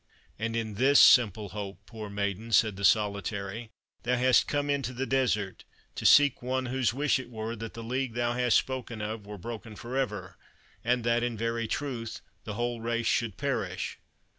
"And in this simple hope, poor maiden," said the Solitary, "thou hast come into the desert, to seek one whose wish it were that the league thou hast spoken of were broken for ever, and that, in very truth, the whole race should perish?